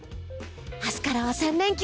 明日からは３連休。